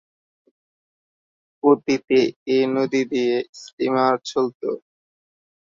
অতীতে এ নদী দিয়ে স্টিমার চলতো।